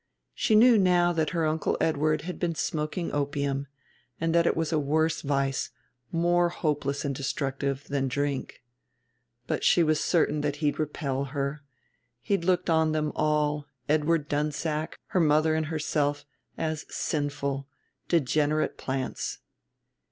She knew now that her Uncle Edward had been smoking opium, and that it was a worse vice, more hopeless and destructive, than drink. But she was certain that he'd repel her; he looked on them all, Edward Dunsack, her mother and herself, as sinful, "degenerate plants."